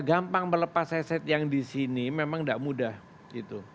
gampang melepas eset yang di sini memang tidak mudah gitu